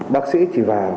bác sĩ chỉ vào